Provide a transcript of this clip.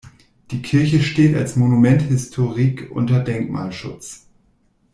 Die Kirche steht als Monument historique unter Denkmalschutz.